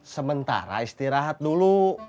sementara istirahat dulu